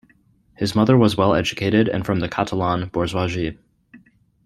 His mother was well-educated and from the Catalan bourgeoisie.